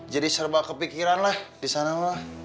jadi serba kepikiran lah di sana lah